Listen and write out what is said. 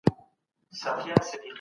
تهمت تړل لويه ګناه ده.